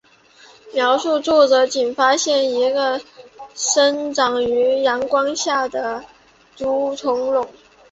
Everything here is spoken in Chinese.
描述作者仅发现了一个生长于阳光下的捕虫笼。